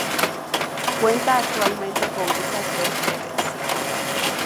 Cuenta actualmente con estas dos sedes.